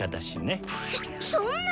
そっそんな！